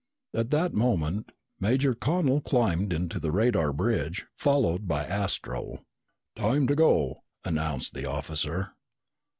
At that moment Major Connel climbed into the radar bridge, followed by Astro. "Time to go," announced the officer.